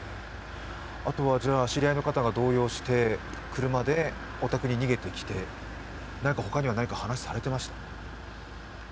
あとは知り合いの方が動揺して車でお宅に逃げてきて、何か他には話をされてました？